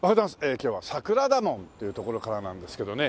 今日は桜田門という所からなんですけどね。